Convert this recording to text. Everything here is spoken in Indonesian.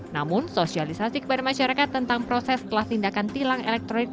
namun sosialisasi kepada masyarakat tentang proses setelah tindakan tilang elektronik